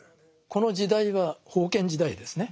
この時代は封建時代ですね。